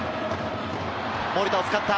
守田を使った。